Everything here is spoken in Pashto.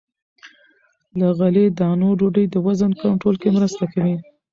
له غلې- دانو ډوډۍ د وزن کنټرول کې مرسته کوي.